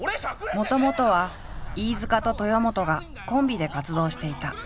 もともとは飯塚と豊本がコンビで活動していた。